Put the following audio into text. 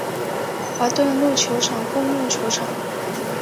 华顿路球场共用球场。